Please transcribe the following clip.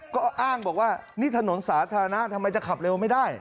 ก็อ้างบอกว่านี่ถนนสาธารณะทำไมจะขับเร็วไม่ได้